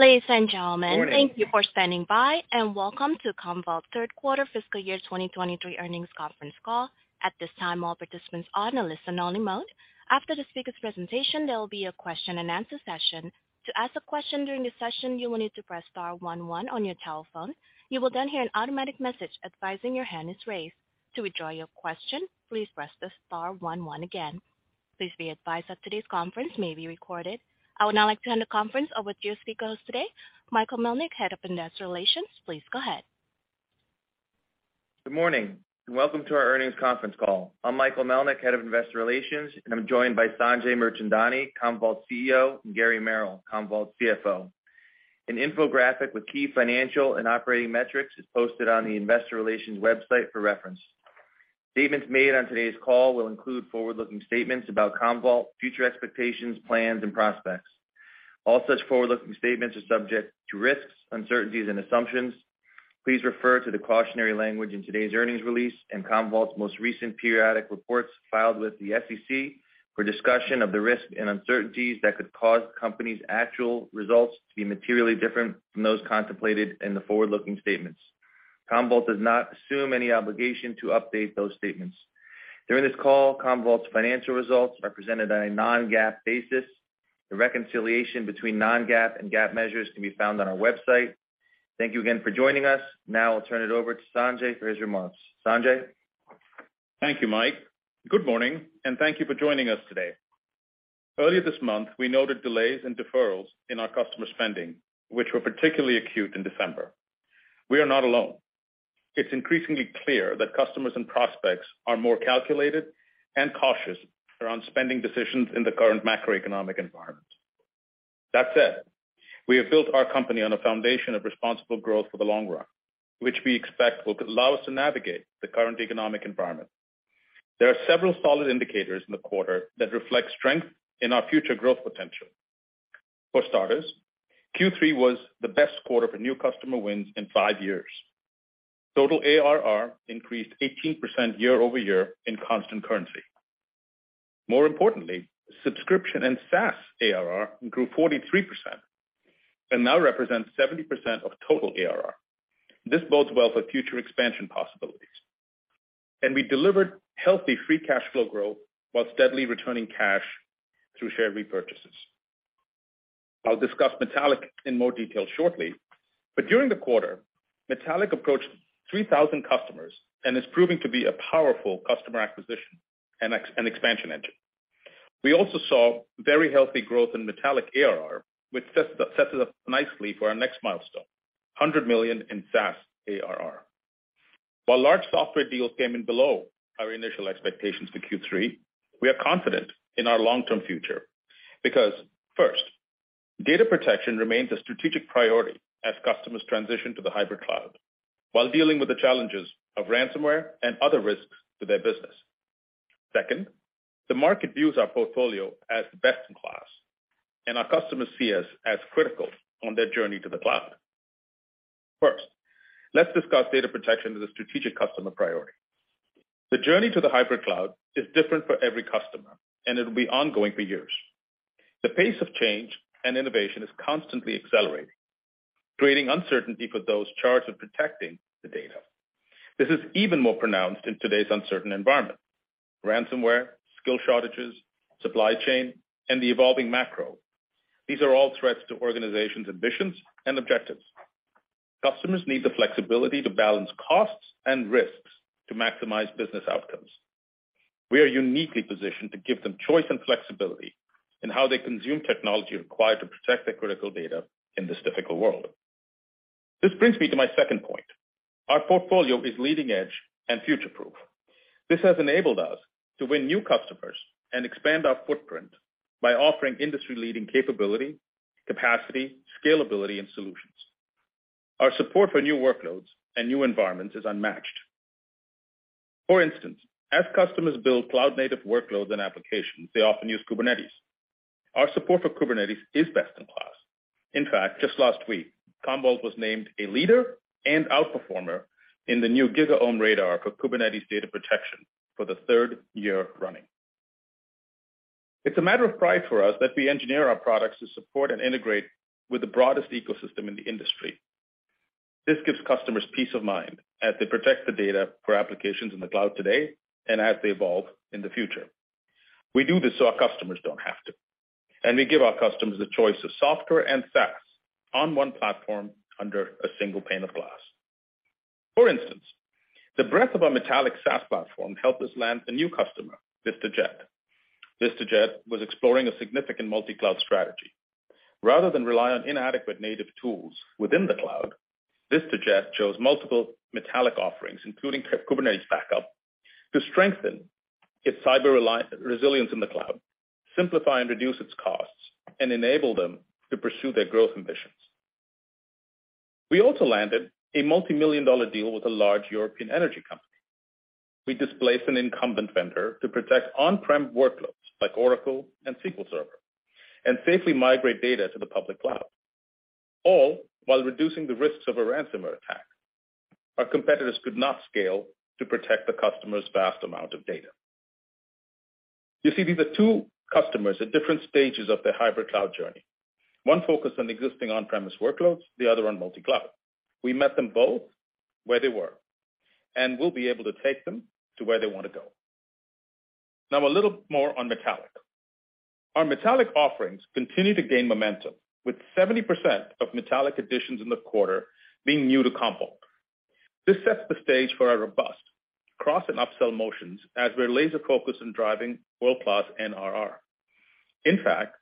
Ladies and gentlemen. Morning Thank you for standing by, and welcome to Commvault third quarter fiscal year 2023 earnings conference call. At this time, all participants are in a listen-only mode. After the speaker's presentation, there will be a question-and-answer session. To ask a question during the session, you will need to press star one one on your telephone. You will then hear an automatic message advising your hand is raised. To withdraw your question, please press the star one one again. Please be advised that today's conference may be recorded. I would now like to hand the conference over to your speakers today, Michael Melnyk, Head of Investor Relations. Please go ahead. Good morning, welcome to our earnings conference call. I'm Michael Melnyk, Head of Investor Relations, and I'm joined by Sanjay Mirchandani, Commvault CEO, and Gary Merrill, Commvault CFO. An infographic with key financial and operating metrics is posted on the investor relations website for reference. Statements made on today's call will include forward-looking statements about Commvault future expectations, plans, and prospects. All such forward-looking statements are subject to risks, uncertainties and assumptions. Please refer to the cautionary language in today's earnings release and Commvault's most recent periodic reports filed with the SEC for discussion of the risks and uncertainties that could cause company's actual results to be materially different from those contemplated in the forward-looking statements. Commvault does not assume any obligation to update those statements. During this call, Commvault's financial results are presented on a non-GAAP basis. The reconciliation between non-GAAP and GAAP measures can be found on our website. Thank you again for joining us. I'll turn it over to Sanjay for his remarks. Sanjay? Thank you, Mike. Good morning, and thank you for joining us today. Earlier this month, we noted delays and deferrals in our customer spending, which were particularly acute in December. We are not alone. It's increasingly clear that customers and prospects are more calculated and cautious around spending decisions in the current macroeconomic environment. That said, we have built our company on a foundation of responsible growth for the long run, which we expect will allow us to navigate the current economic environment. There are several solid indicators in the quarter that reflect strength in our future growth potential. For starters, Q3 was the best quarter for new customer wins in five years. Total ARR increased 18% year-over-year in constant currency. More importantly, subscription and SaaS ARR grew 43% and now represents 70% of total ARR. This bodes well for future expansion possibilities. We delivered healthy free cash flow growth while steadily returning cash through share repurchases. I'll discuss Metallic in more detail shortly, but during the quarter, Metallic approached 3,000 customers and is proving to be a powerful customer acquisition and expansion engine. We also saw very healthy growth in Metallic ARR, which sets us up nicely for our next milestone, $100 million in SaaS ARR. While large software deals came in below our initial expectations for Q3, we are confident in our long-term future because, first, data protection remains a strategic priority as customers transition to the hybrid cloud while dealing with the challenges of ransomware and other risks to their business. Second, the market views our portfolio as best in class, and our customers see us as critical on their journey to the cloud. First, let's discuss data protection as a strategic customer priority. The journey to the hybrid cloud is different for every customer, and it'll be ongoing for years. The pace of change and innovation is constantly accelerating, creating uncertainty for those charged with protecting the data. This is even more pronounced in today's uncertain environment. Ransomware, skill shortages, supply chain, and the evolving macro. These are all threats to organizations' ambitions and objectives. Customers need the flexibility to balance costs and risks to maximize business outcomes. We are uniquely positioned to give them choice and flexibility in how they consume technology required to protect their critical data in this difficult world. This brings me to my second point. Our portfolio is leading-edge and future-proof. This has enabled us to win new customers and expand our footprint by offering industry-leading capability, capacity, scalability, and solutions. Our support for new workloads and new environments is unmatched. As customers build cloud-native workloads and applications, they often use Kubernetes. Our support for Kubernetes is best in class. Just last week, Commvault was named a leader and outperformer in the new GigaOm Radar for Kubernetes Data Protection for the third year running. It's a matter of pride for us that we engineer our products to support and integrate with the broadest ecosystem in the industry. This gives customers peace of mind as they protect the data for applications in the cloud today and as they evolve in the future. We do this so our customers don't have to. We give our customers the choice of software and SaaS on one platform under a single pane of glass. The breadth of our Metallic SaaS platform helped us land a new customer, VistaJet. VistaJet was exploring a significant multi-cloud strategy. Rather than rely on inadequate native tools within the cloud, VistaJet chose multiple Metallic offerings, including Kubernetes backup, to strengthen its cyber resilience in the cloud, simplify and reduce its costs, and enable them to pursue their growth ambitions. We also landed a multi-million dollar deal with a large European energy company. We displaced an incumbent vendor to protect on-prem workloads like Oracle and SQL Server, and safely migrate data to the public cloud, all while reducing the risks of a ransomware attack. Our competitors could not scale to protect the customer's vast amount of data. You see, these are two customers at different stages of their hybrid cloud journey. One focused on existing on-premise workloads, the other on multi-cloud. We met them both where they were, we'll be able to take them to where they want to go. A little more on Metallic. Our Metallic offerings continue to gain momentum, with 70% of Metallic additions in the quarter being new to Commvault. This sets the stage for our robust cross and upsell motions as we're laser-focused on driving world-class NRR. In fact,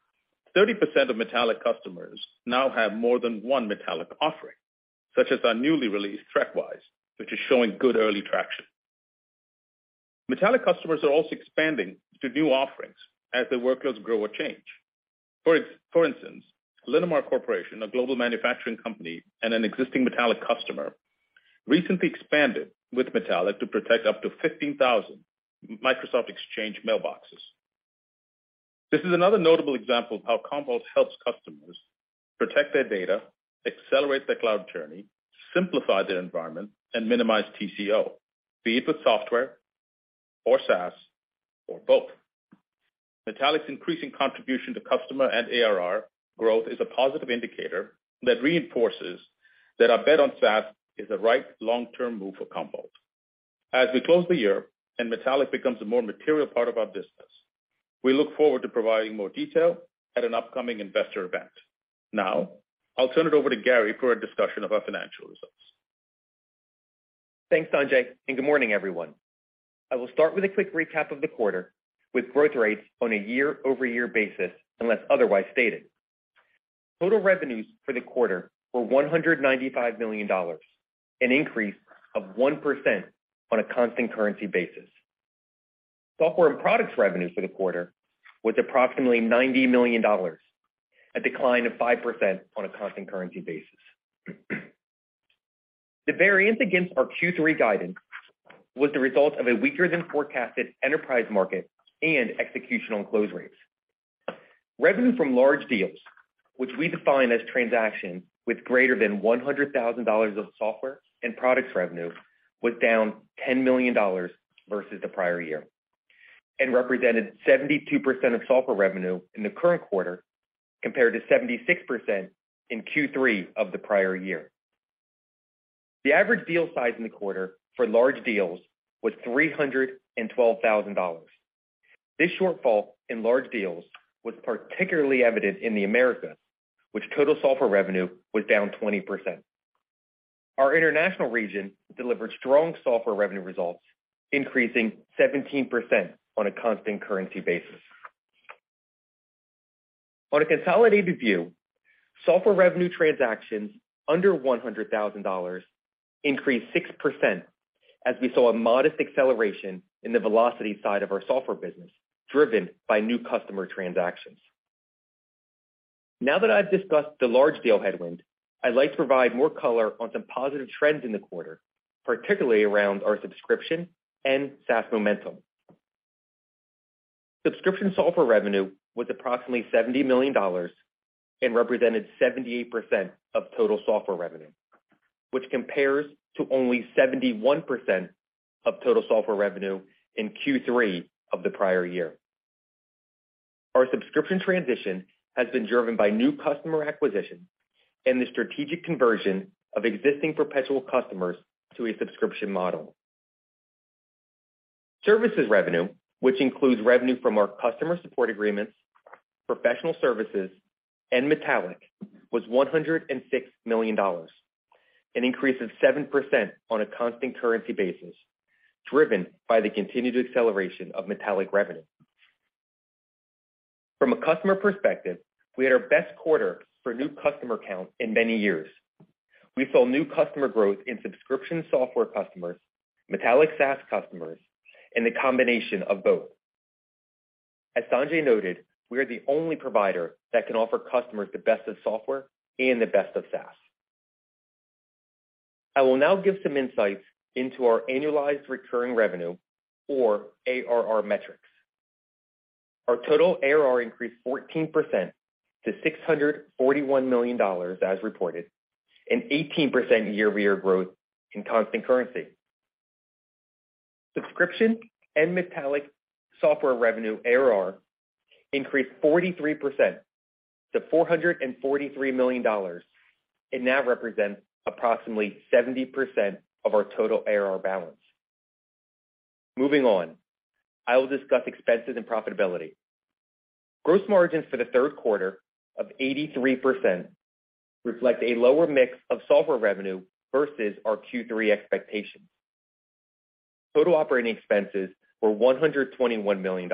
30% of Metallic customers now have more than one Metallic offering, such as our newly released ThreatWise, which is showing good early traction. Metallic customers are also expanding to new offerings as their workloads grow or change. For instance, Linamar Corporation, a global manufacturing company and an existing Metallic customer, recently expanded with Metallic to protect up to 15,000 Microsoft Exchange mailboxes. This is another notable example of how Commvault helps customers protect their data, accelerate their cloud journey, simplify their environment, and minimize TCO, be it with software or SaaS or both. Metallic's increasing contribution to customer and ARR growth is a positive indicator that reinforces that our bet on SaaS is the right long-term move for Commvault. As we close the year and Metallic becomes a more material part of our business, we look forward to providing more detail at an upcoming investor event. Now, I'll turn it over to Gary for a discussion of our financial results. Thanks, Sanjay. Good morning, everyone. I will start with a quick recap of the quarter, with growth rates on a year-over-year basis, unless otherwise stated. Total revenues for the quarter were $195 million, an increase of 1% on a constant currency basis. Software and products revenues for the quarter was approximately $90 million, a decline of 5% on a constant currency basis. The variance against our Q3 guidance was the result of a weaker-than-forecasted enterprise market and executional close rates. Revenue from large deals, which we define as transactions with greater than $100,000 of software and products revenue, was down $10 million versus the prior year. Represented 72% of software revenue in the current quarter, compared to 76% in Q3 of the prior year. The average deal size in the quarter for large deals was $312,000. This shortfall in large deals was particularly evident in the Americas, which total software revenue was down 20%. Our international region delivered strong software revenue results, increasing 17% on a constant currency basis. On a consolidated view, software revenue transactions under $100,000 increased 6% as we saw a modest acceleration in the velocity side of our software business, driven by new customer transactions. Now that I've discussed the large deal headwind, I'd like to provide more color on some positive trends in the quarter, particularly around our subscription and SaaS momentum. Subscription software revenue was approximately $70 million and represented 78% of total software revenue, which compares to only 71% of total software revenue in Q3 of the prior year. Our subscription transition has been driven by new customer acquisition and the strategic conversion of existing perpetual customers to a subscription model. Services revenue, which includes revenue from our customer support agreements, professional services, and Metallic, was $106 million, an increase of 7% on a constant currency basis, driven by the continued acceleration of Metallic revenue. We had our best quarter for new customer count in many years. We saw new customer growth in subscription software customers, Metallic SaaS customers, and the combination of both. As Sanjay noted, we are the only provider that can offer customers the best of software and the best of SaaS. I will now give some insights into our annualized recurring revenue or ARR metrics. Our total ARR increased 14% to $641 million as reported, and 18% year-over-year growth in constant currency. Subscription and Metallic software revenue ARR increased 43% to $443 million and now represents approximately 70% of our total ARR balance. Moving on, I will discuss expenses and profitability. Gross margins for the third quarter of 83% reflect a lower mix of software revenue versus our Q3 expectations. Total operating expenses were $121 million,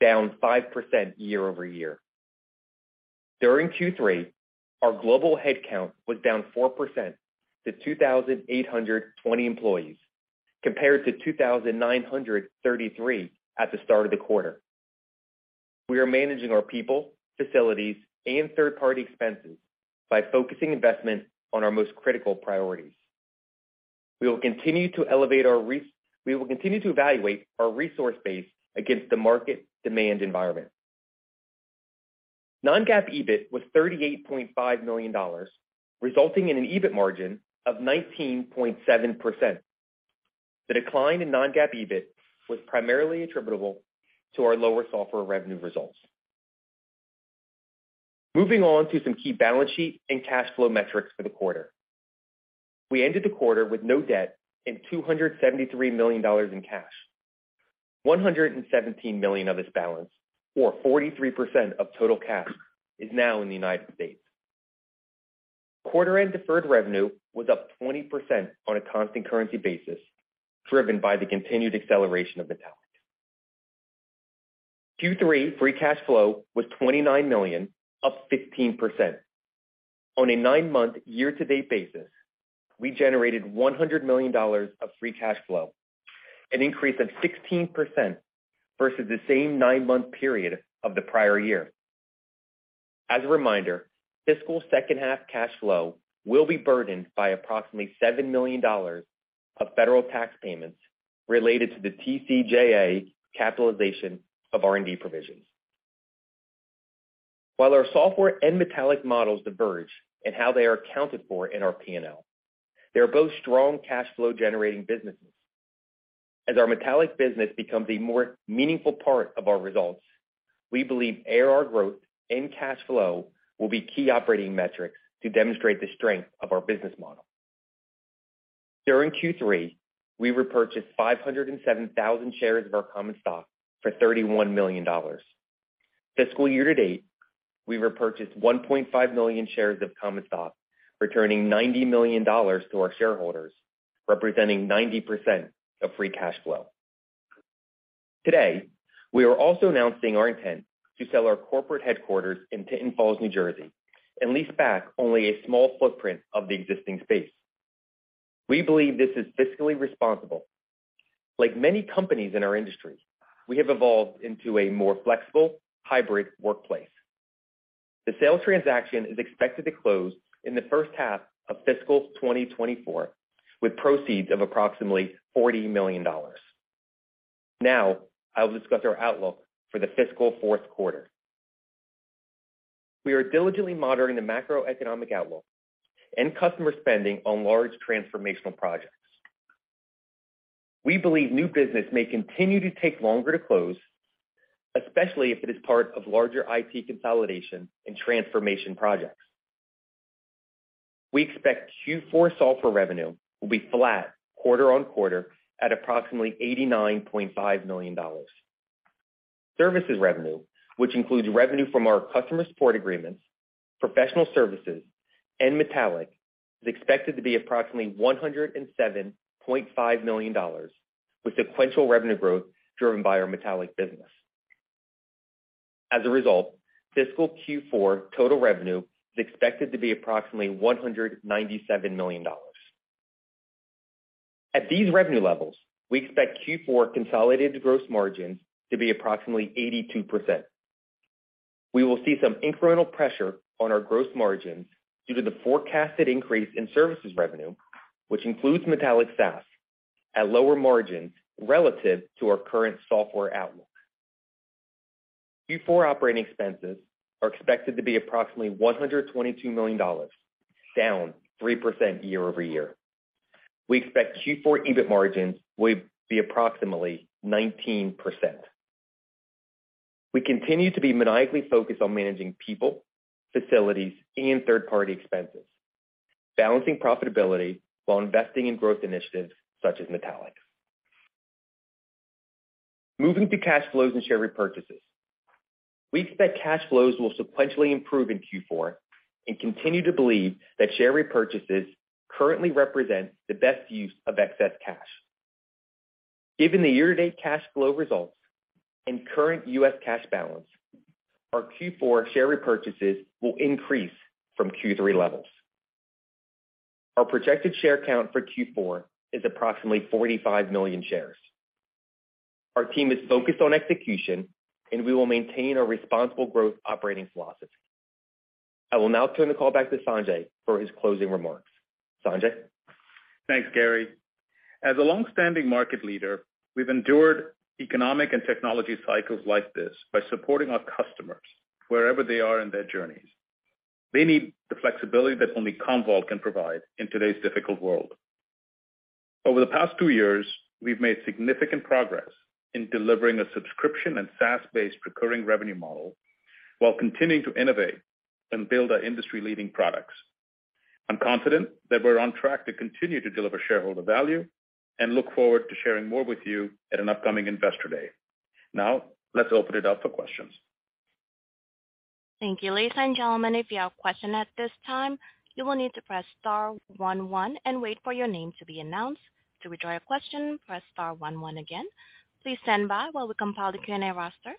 down 5% year-over-year. During Q3, our global headcount was down 4% to 2,820 employees, compared to 2,933 at the start of the quarter. We are managing our people, facilities, and third-party expenses by focusing investment on our most critical priorities. We will continue to evaluate our resource base against the market demand environment. Non-GAAP EBIT was $38.5 million, resulting in an EBIT margin of 19.7%. The decline in non-GAAP EBIT was primarily attributable to our lower software revenue results. Moving on to some key balance sheet and cash flow metrics for the quarter. We ended the quarter with no debt and $273 million in cash. $117 million of this balance, or 43% of total cash, is now in the United States. Quarter-end deferred revenue was up 20% on a constant currency basis, driven by the continued acceleration of Metallic. Q3 free cash flow was $29 million, up 15%. On a nine-month year-to-date basis, we generated $100 million of free cash flow, an increase of 16% versus the same nine-month period of the prior year. As a reminder, fiscal second half cash flow will be burdened by approximately $7 million of federal tax payments related to the TCJA capitalization of R&D provisions. Our software and Metallic models diverge in how they are accounted for in our P&L, they are both strong cash flow-generating businesses. Our Metallic business becomes a more meaningful part of our results, we believe ARR growth and cash flow will be key operating metrics to demonstrate the strength of our business model. During Q3, we repurchased 507,000 shares of our common stock for $31 million. Fiscal year-to-date, we repurchased 1.5 million shares of common stock, returning $90 million to our shareholders, representing 90% of free cash flow. Today, we are also announcing our intent to sell our corporate headquarters in Tinton Falls, New Jersey, and lease back only a small footprint of the existing space. We believe this is fiscally responsible. Like many companies in our industry, we have evolved into a more flexible hybrid workplace. The sales transaction is expected to close in the first half of fiscal 2024, with proceeds of approximately $40 million. I will discuss our outlook for the fiscal fourth quarter. We are diligently monitoring the macroeconomic outlook and customer spending on large transformational projects. We believe new business may continue to take longer to close, especially if it is part of larger IT consolidation and transformation projects. We expect Q4 software revenue will be flat quarter on quarter at approximately $89.5 million. Services revenue, which includes revenue from our customer support agreements, professional services, and Metallic, is expected to be approximately $107.5 million, with sequential revenue growth driven by our Metallic business. As a result, fiscal Q4 total revenue is expected to be approximately $197 million. At these revenue levels, we expect Q4 consolidated gross margins to be approximately 82%. We will see some incremental pressure on our gross margins due to the forecasted increase in services revenue, which includes Metallic SaaS at lower margins relative to our current software outlook. Q4 operating expenses are expected to be approximately $122 million, down 3% year-over-year. We expect Q4 EBIT margins will be approximately 19%. We continue to be maniacally focused on managing people, facilities, and third-party expenses, balancing profitability while investing in growth initiatives such as Metallic. Moving to cash flows and share repurchases. We expect cash flows will sequentially improve in Q4 and continue to believe that share repurchases currently represent the best use of excess cash. Given the year-to-date cash flow results and current U.S. cash balance, our Q4 share repurchases will increase from Q3 levels. Our projected share count for Q4 is approximately 45 million shares. Our team is focused on execution, and we will maintain our responsible growth operating philosophy. I will now turn the call back to Sanjay for his closing remarks. Sanjay? Thanks, Gary. As a long-standing market leader, we've endured economic and technology cycles like this by supporting our customers wherever they are in their journeys. They need the flexibility that only Commvault can provide in today's difficult world. Over the past two years, we've made significant progress in delivering a subscription and SaaS-based recurring revenue model while continuing to innovate and build our industry-leading products. I'm confident that we're on track to continue to deliver shareholder value and look forward to sharing more with you at an upcoming Investor Day. Now, let's open it up for questions. Thank you. Ladies and gentlemen, if you have a question at this time, you will need to press star one one and wait for your name to be announced. To withdraw your question, press star one one again. Please stand by while we compile the Q&A roster.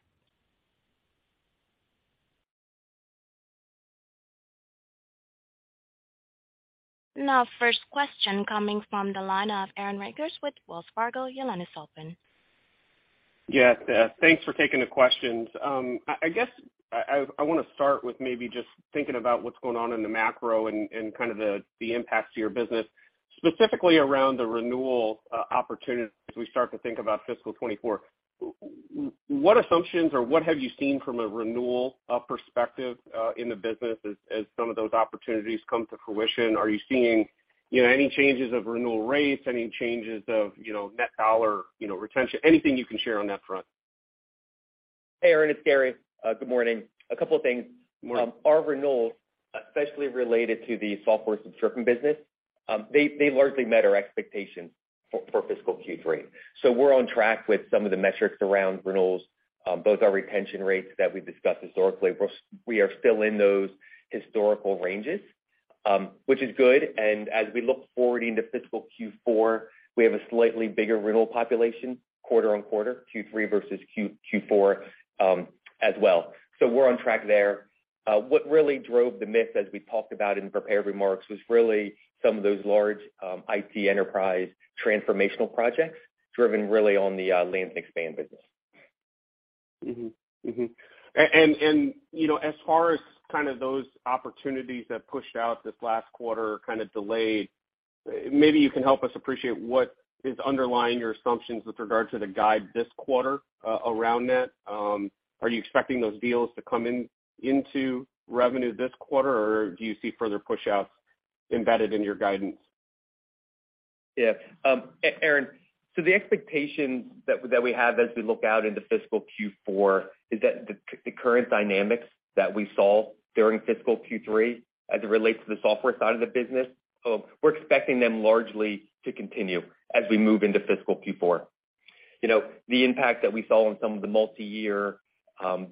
Now, first question coming from the line of Aaron Rakers with Wells Fargo. Your line is open. Yes. thanks for taking the questions. I guess I want to start with maybe just thinking about what's going on in the macro and kind of the impacts to your business, specifically around the renewal, opportunities as we start to think about fiscal 2024. What assumptions or what have you seen from a renewal perspective in the business as some of those opportunities come to fruition? Are you seeing, you know, any changes of renewal rates, any changes of, you know, net dollar, you know, retention, anything you can share on that front? Hey, Aaron, it's Gary. Good morning. A couple of things. Morning. Our renewals, especially related to the software subscription business, they largely met our expectations for fiscal Q3. We're on track with some of the metrics around renewals, both our retention rates that we've discussed historically. We are still in those historical ranges, which is good. As we look forward into fiscal Q4, we have a slightly bigger renewal population quarter-on-quarter, Q3 versus Q4 as well. We're on track there. What really drove the miss, as we talked about in prepared remarks, was really some of those large IT enterprise transformational projects driven really on the lands and expand business. Mm-hmm. Mm-hmm. You know, as far as kind of those opportunities that pushed out this last quarter kind of delayed, maybe you can help us appreciate what is underlying your assumptions with regard to the guide this quarter, around that. Are you expecting those deals to come into revenue this quarter, or do you see further push-outs embedded in your guidance? Aaron, the expectations that we have as we look out into fiscal Q4 is that the current dynamics that we saw during fiscal Q3 as it relates to the software side of the business, we're expecting them largely to continue as we move into fiscal Q4. You know, the impact that we saw on some of the multi-year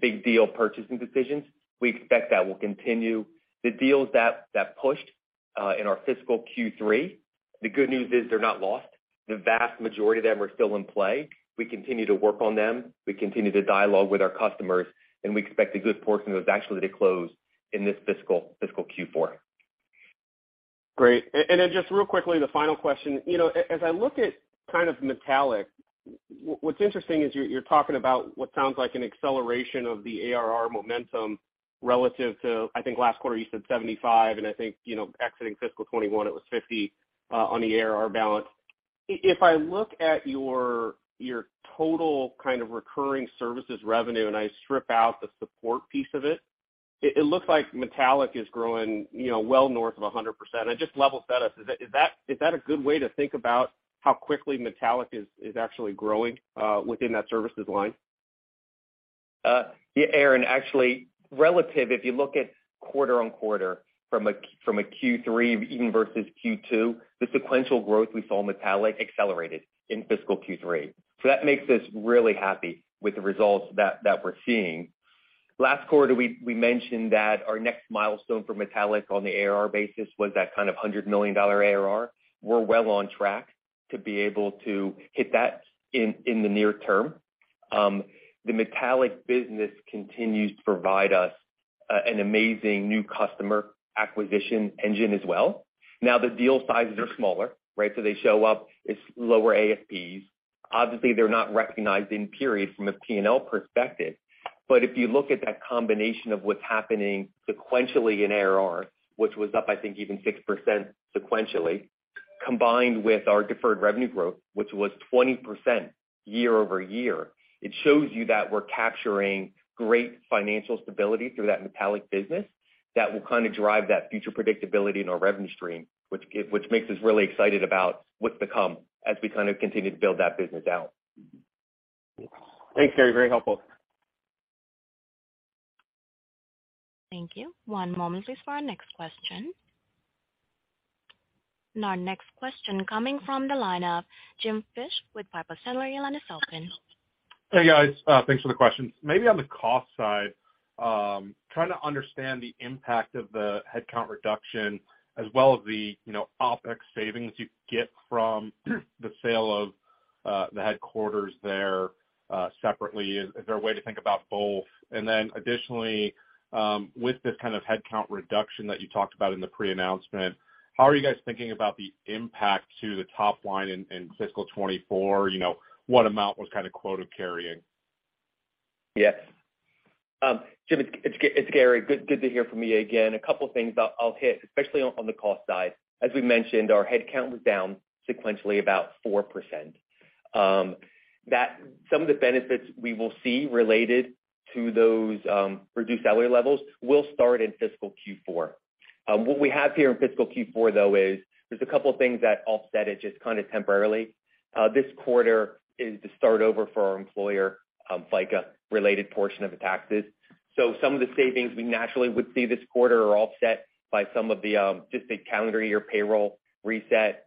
big deal purchasing decisions, we expect that will continue. The deals that pushed in our fiscal Q3, the good news is they're not lost. The vast majority of them are still in play. We continue to work on them. We continue to dialogue with our customers. We expect a good portion of those actually to close in this fiscal Q4. Great. And then just real quickly, the final question. You know, as I look at kind of Metallic, what's interesting is you're talking about what sounds like an acceleration of the ARR momentum relative to, I think last quarter you said $75, and I think, you know, exiting fiscal 2021, it was $50 on the ARR balance. If I look at your total kind of recurring services revenue and I strip out the support piece of it looks like Metallic is growing, you know, well north of 100%. Just level set us. Is that a good way to think about how quickly Metallic is actually growing within that services line? Yeah, Aaron, actually relative, if you look at quarter-on-quarter from a Q3 even versus Q2, the sequential growth we saw in Metallic accelerated in fiscal Q3. That makes us really happy with the results that we're seeing. Last quarter, we mentioned that our next milestone for Metallic on the ARR basis was that kind of $100 million ARR. We're well on track to be able to hit that in the near term. The Metallic business continues to provide us an amazing new customer acquisition engine as well. Now, the deal sizes are smaller, right? They show up as lower ASPs. Obviously, they're not recognized in periods from a P&L perspective. If you look at that combination of what's happening sequentially in ARR, which was up I think even 6% sequentially, combined with our deferred revenue growth, which was 20% year-over-year, it shows you that we're capturing great financial stability through that Metallic business that will kinda drive that future predictability in our revenue stream, which makes us really excited about what's to come as we kind of continue to build that business out. Thanks, Gary. Very helpful. Thank you. One moment, please for our next question. Our next question coming from the line of James Fish with Piper Sandler, Your line is open. Hey, guys. Thanks for the question. Maybe on the cost side, trying to understand the impact of the headcount reduction as well as the, you know, OpEx savings you get from the sale of the headquarters there, separately. Is there a way to think about both? Additionally, with this kind of headcount reduction that you talked about in the pre-announcement, how are you guys thinking about the impact to the top line in fiscal 2024? You know, what amount was kind of quota carrying? Yes. Jim, it's Gary. Good to hear from you again. A couple of things I'll hit, especially on the cost side. As we mentioned, our headcount was down sequentially about 4%. Some of the benefits we will see related to those reduced salary levels will start in fiscal Q4. What we have here in fiscal Q4, though, is there's a couple of things that offset it just kinda temporarily. This quarter is the start over for our employer, FICA related portion of the taxes. Some of the savings we naturally would see this quarter are offset by some of the just the calendar year payroll reset.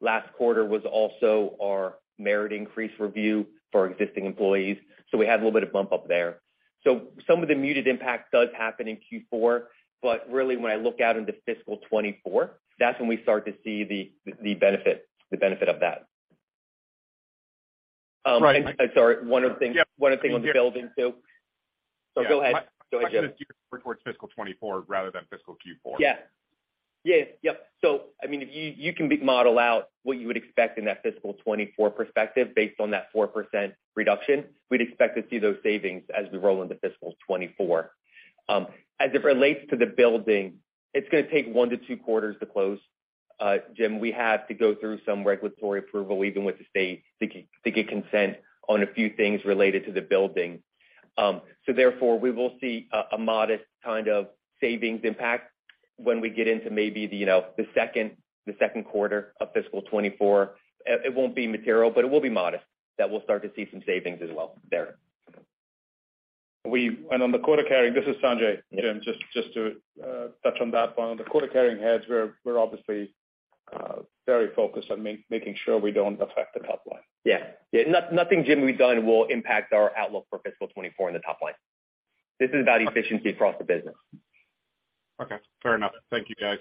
Last quarter was also our merit increase review for existing employees. We had a little bit of bump up there. Some of the muted impact does happen in Q4, but really, when I look out into fiscal 2024, that's when we start to see the benefit of that. Right. I'm sorry. One other thing. Yeah. One other thing I want to build into. Yeah. Go ahead. Go ahead, Jim. I just keep reports fiscal 2024 rather than fiscal Q4. Yeah. Yeah. Yep. I mean, you can model out what you would expect in that fiscal 2024 perspective based on that 4% reduction. We'd expect to see those savings as we roll into fiscal 2024. As it relates to the building, it's gonna take one to two quarters to close. Jim, we have to go through some regulatory approval even with the state to get consent on a few things related to the building. Therefore, we will see a modest kind of savings impact when we get into maybe the, you know, the second quarter of fiscal 2024. It won't be material, but it will be modest that we'll start to see some savings as well there. On the quarter carrying, this is Sanjay. Yeah. Jim, just to touch on that one. On the quarter carrying heads, we're obviously very focused on making sure we don't affect the top line. Yeah. Yeah. nothing Jim we've done will impact our outlook for fiscal 2024 in the top line. This is about efficiency across the business. Okay. Fair enough. Thank you, guys.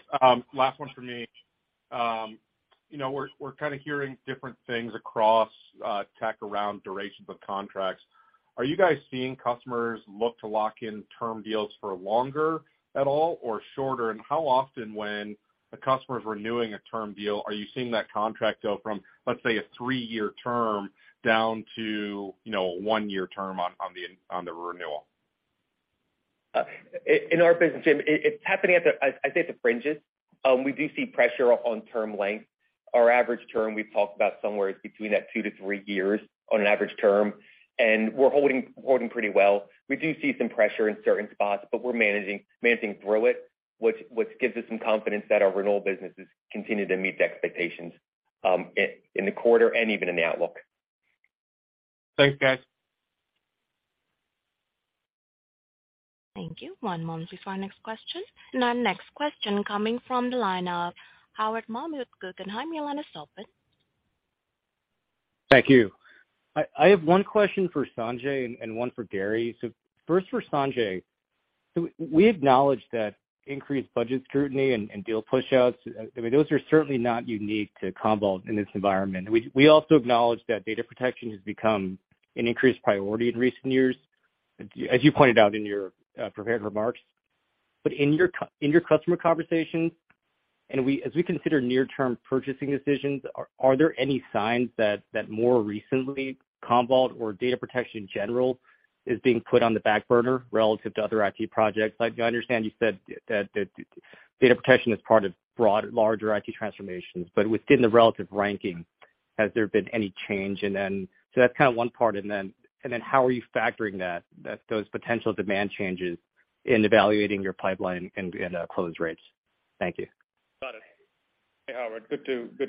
Last one from me. You know, we're kind of hearing different things across tech around durations of contracts. Are you guys seeing customers look to lock in term deals for longer at all or shorter? How often when a customer is renewing a term deal, are you seeing that contract go from, let's say, a three-year term down to, you know, a one-year term on the renewal? In our business, Jim, it's happening at the, I'd say, at the fringes. We do see pressure on term length. Our average term, we've talked about somewhere between that two to three years on an average term, and we're holding pretty well. We do see some pressure in certain spots, but we're managing through it, which gives us some confidence that our renewal businesses continue to meet the expectations, in the quarter and even in the outlook. Thanks, guys. Thank you. One moment before our next question. Our next question coming from the line of Howard Ma with Guggenheim. Your line is open. Thank you. I have one question for Sanjay and one for Gary. First for Sanjay, we acknowledge that increased budget scrutiny and deal pushouts, I mean, those are certainly not unique to Commvault in this environment. We also acknowledge that data protection has become an increased priority in recent years, as you pointed out in your prepared remarks. In your customer conversations, as we consider near-term purchasing decisions, are there any signs that more recently Commvault or data protection in general is being put on the back burner relative to other IT projects? Like I understand you said that data protection is part of broad, larger IT transformations, but within the relative ranking, has there been any change? That's kind of one part, and then how are you factoring that those potential demand changes in evaluating your pipeline and close rates? Thank you. Got it. Hey, Howard, good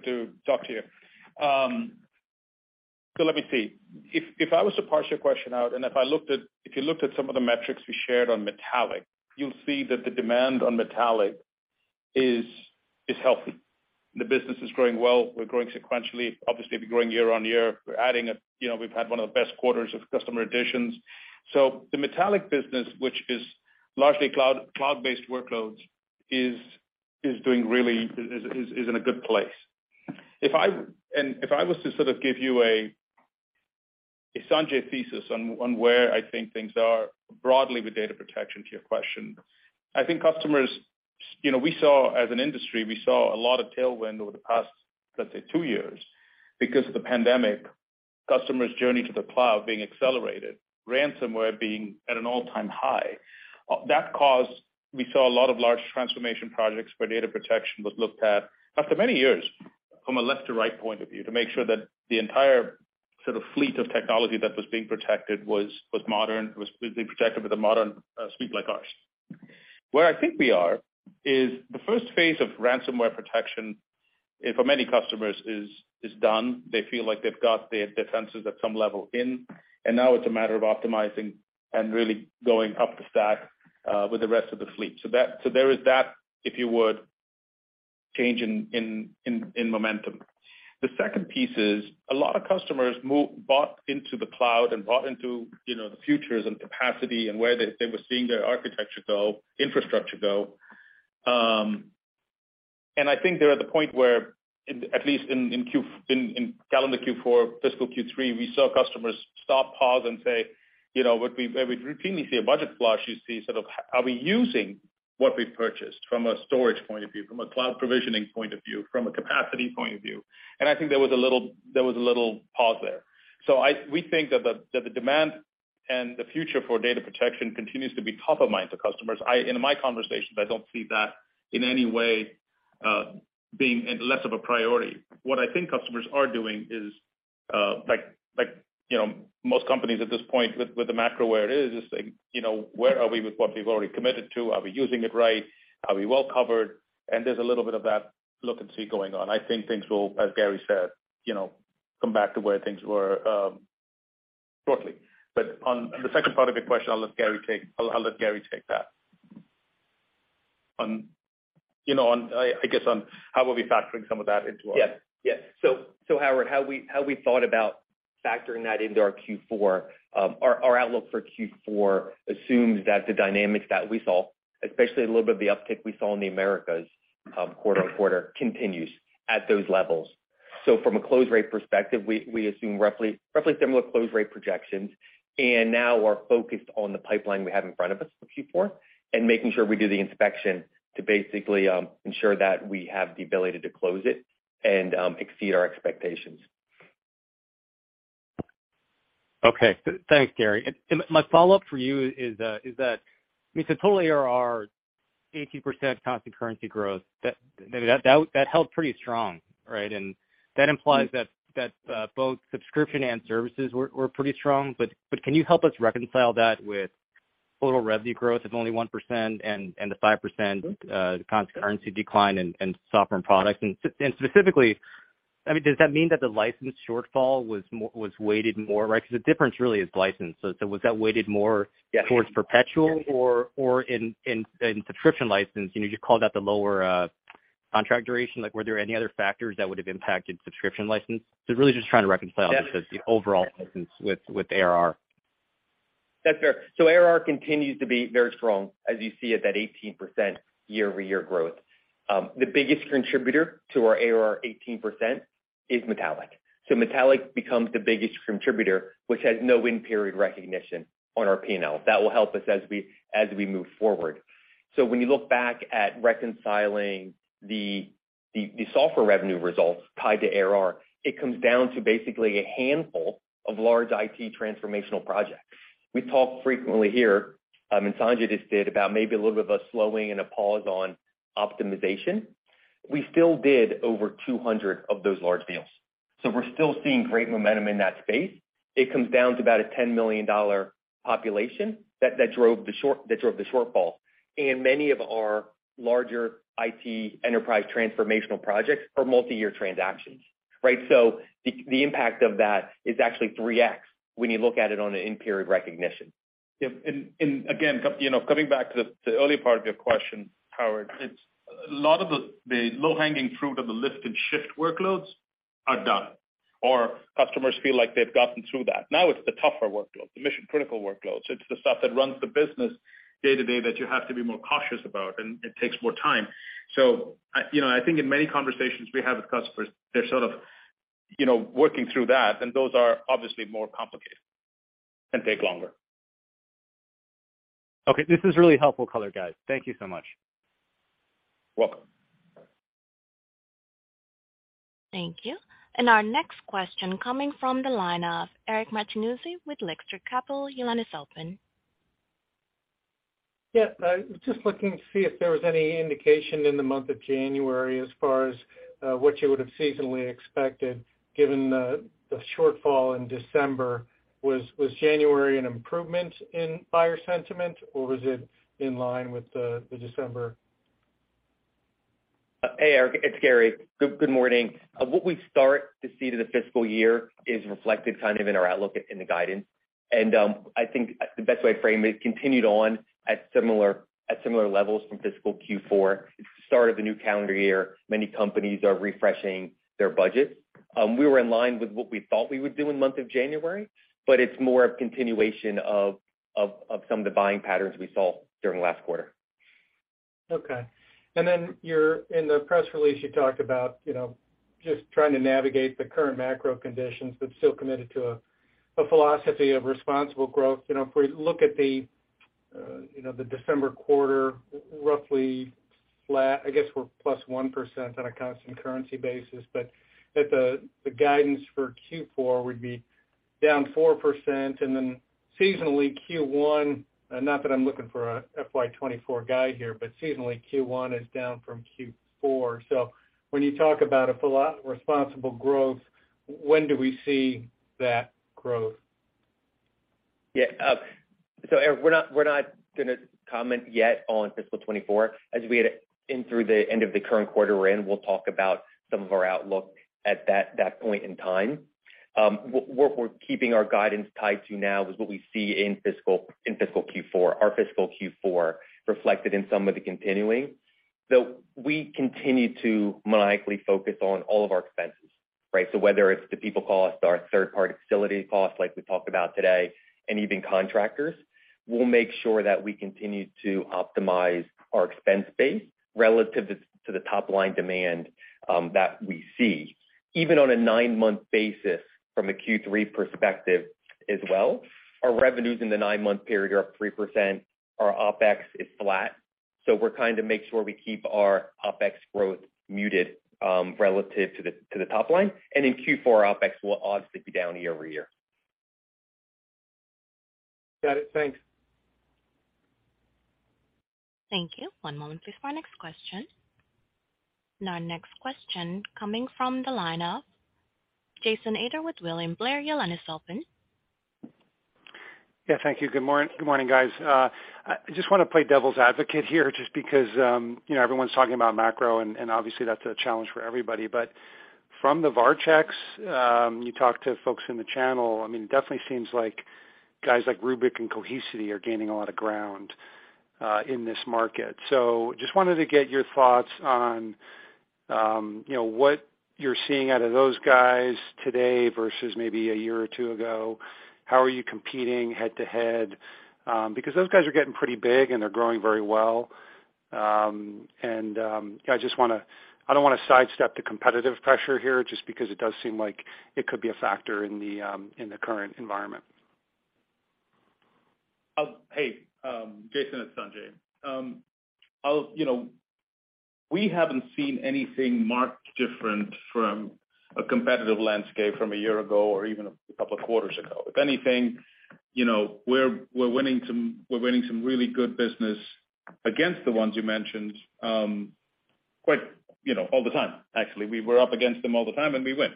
to talk to you. Let me see. If I was to parse your question out, and if you looked at some of the metrics we shared on Metallic, you'll see that the demand on Metallic is healthy. The business is growing well. We're growing sequentially. Obviously, we're growing year-on-year. We're adding a. You know, we've had one of the best quarters of customer additions. The Metallic business, which is largely cloud-based workloads, is doing really in a good place. If I If I was to sort of give you a Sanjay thesis on where I think things are broadly with data protection to your question, I think customers, you know, we saw as an industry, we saw a lot of tailwind over the past, let's say, two years because of the pandemic, customers' journey to the cloud being accelerated, ransomware being at an all-time high. We saw a lot of large transformation projects where data protection was looked at after many years from a left to right point of view to make sure that the entire sort of fleet of technology that was being protected was modern, was completely protected with a modern suite like ours. Where I think we are is the first phase of Ransomware protection, and for many customers is done. They feel like they've got their defenses at some level in. Now it's a matter of optimizing and really going up the stack with the rest of the fleet. There is that, if you would, change in momentum. The second piece is a lot of customers bought into the cloud and bought into, you know, the futures and capacity and where they were seeing their architecture go, infrastructure go. I think they're at the point where at least in calendar Q4, fiscal Q3, we saw customers stop, pause, and say, you know, where we'd routinely see a budget flush, you see sort of, are we using what we've purchased from a storage point of view, from a cloud provisioning point of view, from a capacity point of view? I think there was a little pause there. We think that the demand and the future for data protection continues to be top of mind to customers. In my conversations, I don't see that in any way being less of a priority. What I think customers are doing is like, you know, most companies at this point with the macro where it is saying, you know, where are we with what we've already committed to? Are we using it right? Are we well covered? There's a little bit of that look-and-see going on. I think things will, as Gary said, you know, come back to where things were shortly. On the second part of your question, I'll let Gary take that. On, you know, on I guess, on how we'll be factoring some of that into our... Yeah. Howard, how we thought about factoring that into our Q4, our outlook for Q4 assumes that the dynamics that we saw, especially a little bit of the uptick we saw in the Americas, quarter-on-quarter, continues at those levels. From a close rate perspective, we assume roughly similar close rate projections. Now we're focused on the pipeline we have in front of us for Q4 and making sure we do the inspection to basically ensure that we have the ability to close it and exceed our expectations. Okay. Thanks, Gary. My follow-up for you is that, I mean, so total ARR 18% constant currency growth, that, I mean, that held pretty strong, right? That implies that both subscription and services were pretty strong. Can you help us reconcile that with total revenue growth of only 1% and the 5% constant currency decline in software and products? Specifically, I mean, does that mean that the license shortfall was weighted more, right? 'Cause the difference really is license. Was that weighted more- Yes... towards perpetual or in subscription license? You know, you called out the lower contract duration. Like, were there any other factors that would have impacted subscription license? Really just trying to reconcile... Yes just the overall license with ARR. That's fair. ARR continues to be very strong, as you see at that 18% year-over-year growth. The biggest contributor to our ARR 18% is Metallic. Metallic becomes the biggest contributor, which has no in-period recognition on our P&L. That will help us as we, as we move forward. When you look back at reconciling the, the software revenue results tied to ARR, it comes down to basically a handful of large IT transformational projects. We talk frequently here, and Sanjay just did, about maybe a little bit of a slowing and a pause on optimization. We still did over 200 of those large deals. We're still seeing great momentum in that space. It comes down to about a $10 million population that drove the shortfall. Many of our larger IT enterprise transformational projects are multiyear transactions, right? The impact of that is actually 3x when you look at it on an in-period recognition. Yeah. Again, you know, coming back to the earlier part of your question, Howard, it's a lot of the low-hanging fruit of the lift and shift workloads are done, or customers feel like they've gotten through that. Now it's the tougher workloads, the mission-critical workloads. It's the stuff that runs the business day-to-day that you have to be more cautious about, and it takes more time. I, you know, I think in many conversations we have with customers, they're sort of, you know, working through that, and those are obviously more complicated and take longer. This is really helpful color, guys. Thank you so much. Welcome. Thank you. Our next question coming from the line of Eric Martinuzzi with Lake Street Capital. Your line is open. Yeah, I was just looking to see if there was any indication in the month of January as far as what you would have seasonally expected, given the shortfall in December. Was January an improvement in buyer sentiment, or was it in line with the December? Hey, Eric, it's Gary. Good morning. What we start to see to the fiscal year is reflected kind of in our outlook in the guidance. I think the best way to frame it, continued on at similar levels from fiscal Q4. It's the start of the new calendar year. Many companies are refreshing their budgets. We were in line with what we thought we would do in the month of January, but it's more a continuation of some of the buying patterns we saw during last quarter. Okay. Then your in the press release, you talked about, you know, just trying to navigate the current macro conditions, but still committed to a philosophy of responsible growth. You know, if we look at the, you know, the December quarter, roughly flat. I guess we're +1% on a constant currency basis. At the guidance for Q4 would be down 4%, and then seasonally Q1, not that I'm looking for a FY 2024 guide here, but seasonally Q1 is down from Q4. When you talk about a responsible growth, when do we see that growth? Yeah. Eric, we're not gonna comment yet on fiscal 2024. As we get in through the end of the current quarter we're in, we'll talk about some of our outlook at that point in time. What we're keeping our guidance tied to now is what we see in fiscal Q4, our fiscal Q4 reflected in some of the continuing. We continue to monetically focus on all of our expenses, right? Whether it's the people cost, our third-party facility cost, like we talked about today, and even contractors, we'll make sure that we continue to optimize our expense base relative to the top-line demand that we see. Even on a nine-month basis from a Q3 perspective as well, our revenues in the nine-month period are up 3%. Our OpEx is flat. We're trying to make sure we keep our OpEx growth muted, relative to the, to the top-line. In Q4, our OpEx will obviously be down year-over-year. Got it. Thanks. Thank you. One moment, please, for our next question. Our next question coming from the line of Jason Ader with William Blair. Your line is open. Yeah. Thank you. Good morning, guys. I just wanna play devil's advocate here just because, you know, everyone's talking about macro, and obviously that's a challenge for everybody. From the VAR checks, you talk to folks in the channel, I mean, it definitely seems like guys like Rubrik and Cohesity are gaining a lot of ground, in this market. Just wanted to get your thoughts on, you know, what you're seeing out of those guys today versus maybe a year or two ago. How are you competing head-to-head? Because those guys are getting pretty big, and they're growing very well. And I don't wanna sidestep the competitive pressure here just because it does seem like it could be a factor in the, in the current environment. Hey, Jason, it's Sanjay. You know, we haven't seen anything marked different from a competitive landscape from a year ago or even a couple of quarters ago. If anything, you know, we're winning some really good business against the ones you mentioned, quite, you know, all the time, actually. We're up against them all the time, and we win.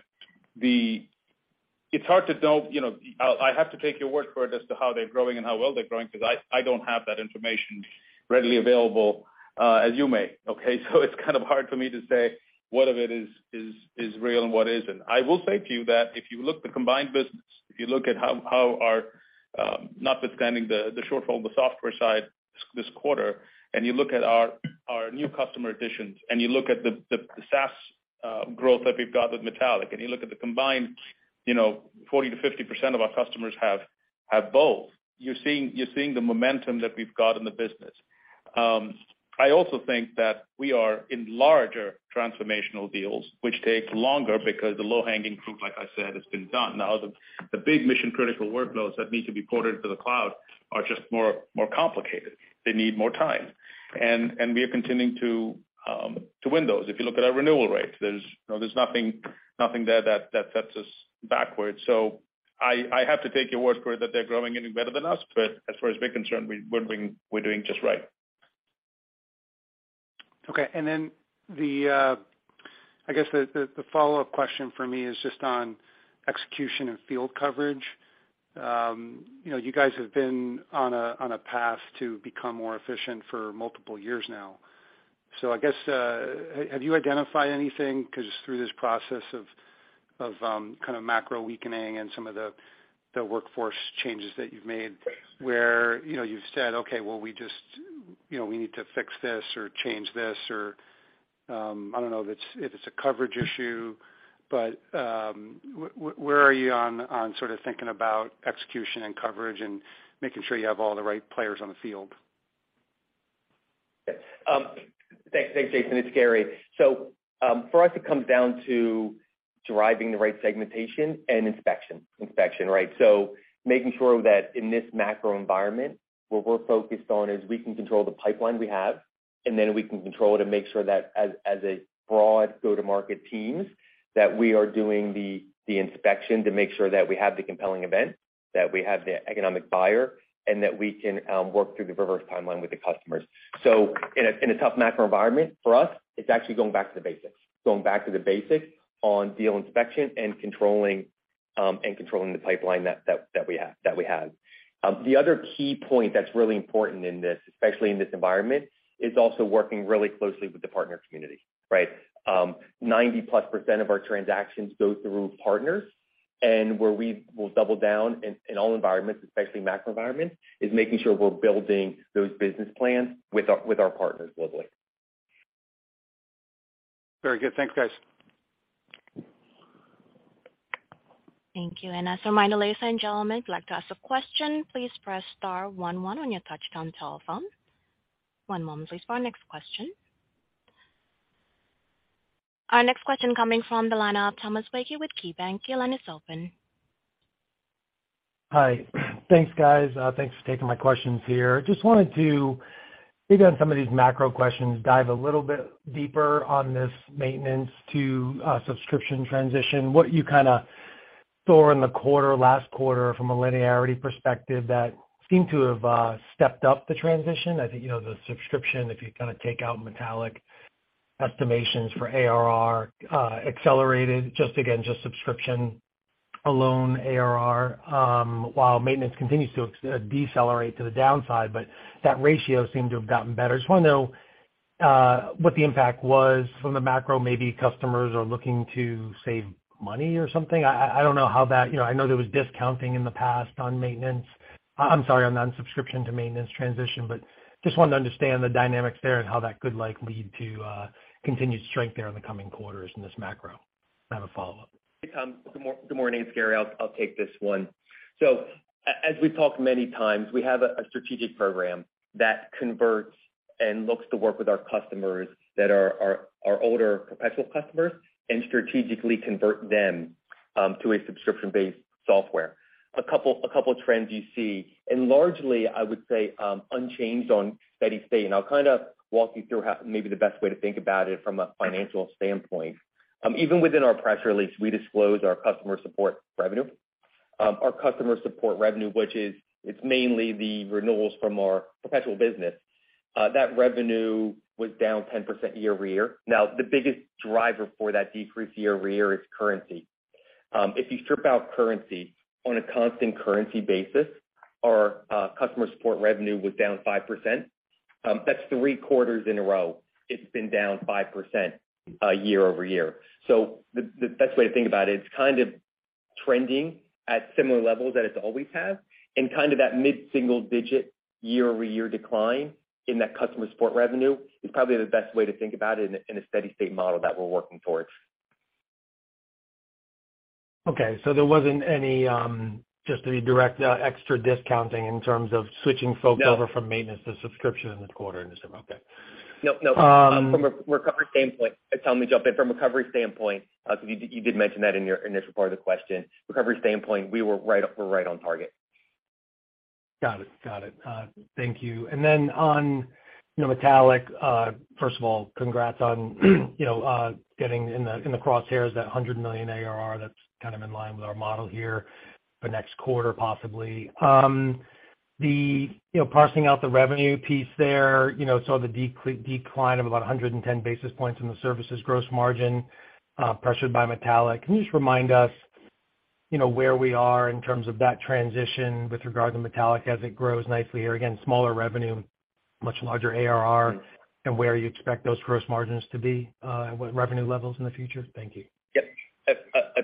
It's hard to know, you know, I have to take your word for it as to how they're growing and how well they're growing 'cause I don't have that information readily available as you may. Okay? It's kind of hard for me to say what of it is real and what isn't. I will say to you that if you look the combined business, if you look at how our, notwithstanding the shortfall on the software side this quarter, and you look at our new customer additions, and you look at the SaaS growth that we've got with Metallic, and you look at the combined, you know, 40%-50% of our customers have both, you're seeing the momentum that we've got in the business. I also think that we are in larger transformational deals which take longer because the low-hanging fruit, like I said, has been done. Now the big mission-critical workloads that need to be ported to the cloud are just more complicated. They need more time. We are continuing to win those. If you look at our renewal rate, there's, you know, there's nothing there that sets us backwards. I have to take your word for it that they're growing any better than us, as far as we're concerned, we're doing just right. Okay. The I guess the follow-up question for me is just on execution and field coverage. You know, you guys have been on a, on a path to become more efficient for multiple years now. I guess, have you identified anything 'cause through this process of kinda macro weakening and some of the workforce changes that you've made where, you know, you've said, "Okay, well, we just, you know, we need to fix this or change this or," I don't know if it's, if it's a coverage issue. Where are you on sorta thinking about execution and coverage and making sure you have all the right players on the field? Thanks. Thanks, Jason. It's Gary. For us, it comes down to deriving the right segmentation and inspection. Inspection, right? Making sure that in this macro environment, what we're focused on is we can control the pipeline we have, and then we can control it and make sure that as a broad go-to-market teams, that we are doing the inspection to make sure that we have the compelling event, that we have the economic buyer, and that we can work through the reverse timeline with the customers. In a tough macro environment, for us, it's actually going back to the basics. Going back to the basics on deal inspection and controlling and controlling the pipeline that we have. The other key point that's really important in this, especially in this environment, is also working really closely with the partner community, right? 90%+ of our transactions go through partners. Where we will double down in all environments, especially macro environments, is making sure we're building those business plans with our, with our partners globally. Very good. Thanks, guys. Thank you. As a reminder, ladies and gentlemen, if you'd like to ask a question, please press star one one on your touchtone telephone. One moment, please, for our next question. Our next question coming from the line of Thomas Blakey with KeyBanc. Your line is open. Hi. Thanks, guys. Thanks for taking my questions here. Just wanted to, maybe on some of these macro questions, dive a little bit deeper on this maintenance to subscription transition. What you kind of saw in the quarter, last quarter, from a linearity perspective that seemed to have stepped up the transition. I think, you know, the subscription, if you kind of take out Metallic estimations for ARR, accelerated just again, just subscription alone ARR, while maintenance continues to decelerate to the downside, that ratio seemed to have gotten better. Just want to know what the impact was from the macro. Maybe customers are looking to save money or something. I don't know how that. You know, I know there was discounting in the past on maintenance. I'm sorry, on non-subscription to maintenance transition, but just wanted to understand the dynamics there and how that could, like, lead to continued strength there in the coming quarters in this macro. I have a follow-up. Hey, Tom. Good morning. It's Gary. I'll take this one. As we've talked many times, we have a strategic program that converts and looks to work with our customers that are our older perpetual customers and strategically convert them to a subscription-based software. A couple trends you see, and largely, I would say, unchanged on steady state. I'll kinda walk you through how maybe the best way to think about it from a financial standpoint. Even within our press release, we disclose our customer support revenue. Our customer support revenue, which is, it's mainly the renewals from our perpetual business, that revenue was down 10% year-over-year. The biggest driver for that decrease year-over-year is currency. If you strip out currency on a constant currency basis, our customer support revenue was down 5%. That's three quarters in a row it's been down 5% year-over-year. The best way to think about it's kind of trending at similar levels that it's always has and kind of that mid-single-digit year-over-year decline in that customer support revenue is probably the best way to think about it in a steady state model that we're working towards. Okay. There wasn't any, just to be direct, extra discounting in terms of switching. No. Over from maintenance to subscription in this quarter and this time. Okay. No, no. From a recovery standpoint, Tom, let me jump in. From a recovery standpoint, you did mention that in your initial part of the question. Recovery standpoint, we're right on target. Got it. Got it. Thank you. Then on, you know, Metallic, first of all, congrats on, you know, getting in the, in the crosshairs that $100 million ARR, that's kind of in line with our model here for next quarter, possibly. The, you know, parsing out the revenue piece there, you know, saw the decline of about 110 basis points in the services gross margin, pressured by Metallic. Can you just remind us, you know, where we are in terms of that transition with regard to Metallic as it grows nicely or, again, smaller revenue, much larger ARR, and where you expect those gross margins to be, at what revenue levels in the future? Thank you.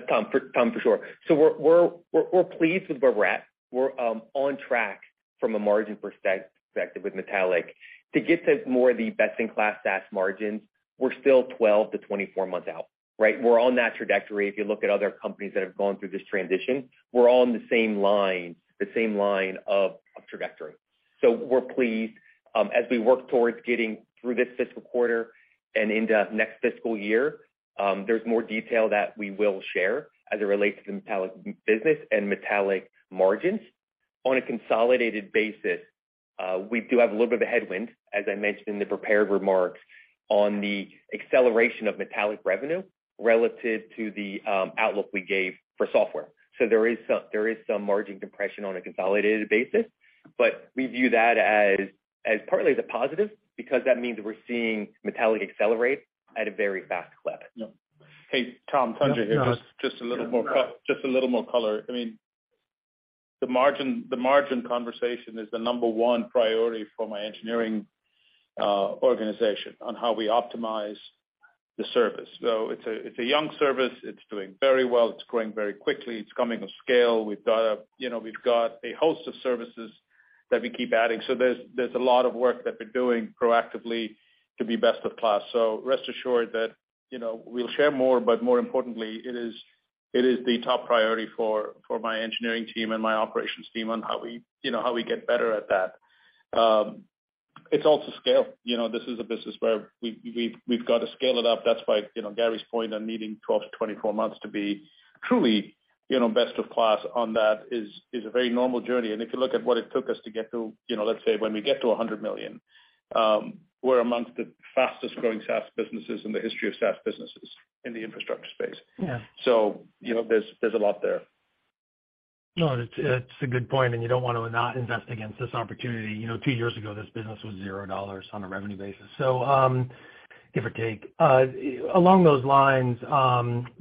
Tom, for sure. We're pleased with where we're at. We're on track from a margin perspective with Metallic. To get to more of the best-in-class SaaS margins, we're still 12 to 24 months out, right? We're on that trajectory. If you look at other companies that have gone through this transition, we're all on the same line of trajectory. We're pleased, as we work towards getting through this fiscal quarter and into next fiscal year, there's more detail that we will share as it relates to Metallic business and Metallic margins. On a consolidated basis, we do have a little bit of a headwind, as I mentioned in the prepared remarks, on the acceleration of Metallic revenue relative to the outlook we gave for software. There is some margin compression on a consolidated basis, but we view that as partly as a positive because that means we're seeing Metallic accelerate at a very fast clip. Yeah. Hey, Tom, Sanjay here. Just a little more color. I mean, the margin conversation is the number 1 priority for my engineering organization on how we optimize the service. It's a young service. It's doing very well. It's growing very quickly. It's coming of scale. We've got a host of services that we keep adding. There's a lot of work that we're doing proactively to be best of class. Rest assured that, you know, we'll share more, but more importantly, it is the top priority for my engineering team and my operations team on how we, you know, how we get better at that. It's also scale. You know, this is a business where we've got to scale it up. That's why, you know, Gary's point on needing 12 to 24 months to be truly, you know, best of class on that is a very normal journey. If you look at what it took us to get to, you know, let's say when we get to $100 million, we're amongst the fastest growing SaaS businesses in the history of SaaS businesses in the infrastructure space. Yeah. you know, there's a lot there. No, it's a good point, and you don't wanna not invest against this opportunity. You know, two years ago, this business was $0 on a revenue basis. Give or take. Along those lines,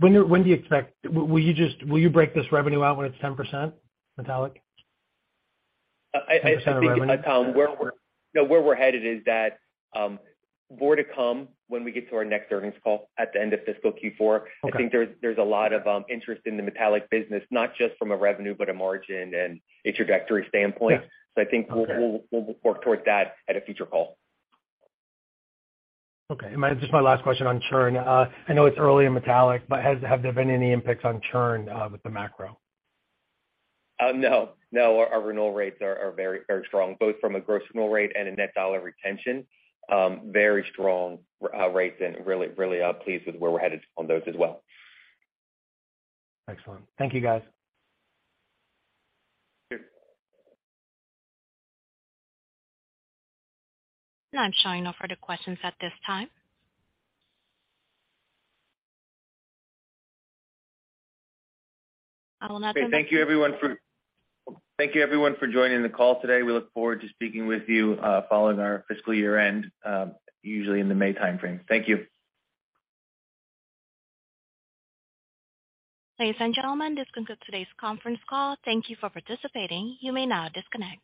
when do you expect Will you break this revenue out when it's 10% Metallic? 10% revenue? I think, Tom, where we're headed is that, more to come when we get to our next earnings call at the end of fiscal Q4. Okay. I think there's a lot of interest in the Metallic business, not just from a revenue, but a margin and a trajectory standpoint. Yeah. So I think- Okay. We'll work towards that at a future call. Okay. Just my last question on churn. I know it's early in Metallic, but have there been any impacts on churn, with the macro? No. No. Our renewal rates are very, very strong, both from a gross renewal rate and a net dollar retention. Very strong, rates, and really, really, pleased with where we're headed on those as well. Excellent. Thank you, guys. Sure. I'm showing no further questions at this time. I will now turn it-. Okay. Thank you everyone for joining the call today. We look forward to speaking with you, following our fiscal year-end, usually in the May timeframe. Thank you. Ladies and gentlemen, this concludes today's conference call. Thank you for participating. You may now disconnect.